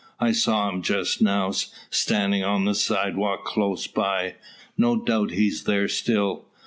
I saw him just now, standing on the side walk close by. No doubt he's there still."